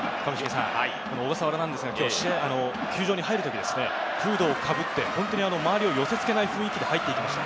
小笠原ですが、今日、球場に入る時にフードをかぶって、周りを寄せ付けない雰囲気で入っていきました。